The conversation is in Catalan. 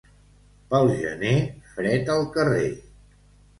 Pel gener, fred al carrer.